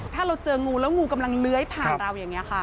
ถ้าเราเจองูแล้วงูกำลังเลื้อยผ่านเราอย่างนี้ค่ะ